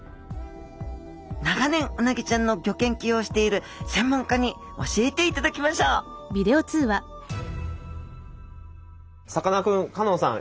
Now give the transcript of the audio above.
長年うなぎちゃんのギョ研究をしている専門家に教えていただきましょうさかなクン香音さん